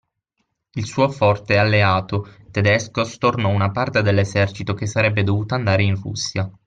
Il suo forte alleato tedesco stornò una parte dell'esercito che sarebbe dovuto andare in Russia.